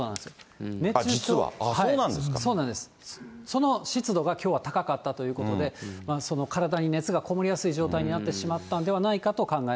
その湿度がきょうは高かったということで、体に熱がこもりやすい状態になってしまったんではないかと考え